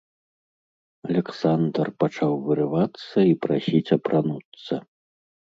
Аляксандр пачаў вырывацца і прасіць апрануцца.